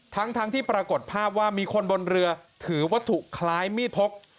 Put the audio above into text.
ทั้งที่ปรากฏภาพว่ามีคนบนเรือถือวัตถุคล้ายมีดพก